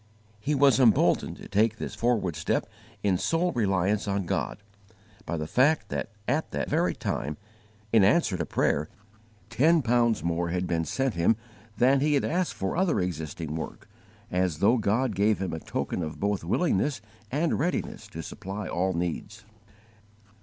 He was emboldened to take this forward step in sole reliance on God, by the fact that at that very time, in answer to prayer, ten pounds more had been sent him than he had asked for other existing work, as though God gave him a token of both willingness and readiness to supply all needs.